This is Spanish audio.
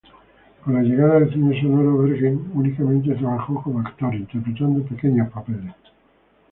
Con la llegada del cine sonoro, Bergen únicamente trabajó como actor, interpretando pequeños papeles.